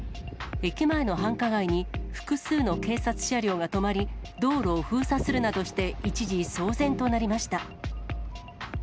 駅前の繁華街に複数の警察車両が止まり、道路を封鎖するなどして、一時騒然となりました。